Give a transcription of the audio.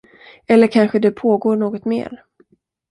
Eller kanske det pågår något mer.